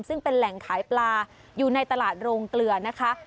ซึ่งเป็นแหล่งขายปลาอยู่ในตลาดโรงเกลือนะคะ